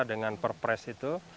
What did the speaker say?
dengan perpres itu